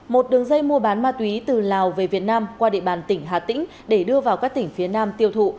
một đường dây mua bán ma túy từ lào về việt nam qua địa bàn tỉnh hà tĩnh để đưa vào các tỉnh phía nam tiêu thụ